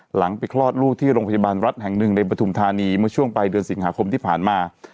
หลังไปคลอดลูกที่โรงพยาบาลรัฐแห่งหนึ่งในปฐุมธานีเมื่อช่วงปลายเดือนสิงหาคมที่ผ่านมา